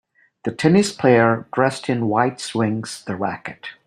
The tennis player dressed in white swings the racket.